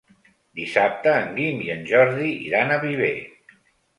Dissabte en Guim i en Jordi iran a Viver.